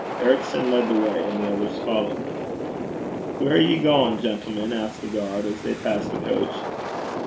Ericson led the way, and the others followed. 'Whaur are ye gaein', gentlemen?' asked the guard, as they passed the coach.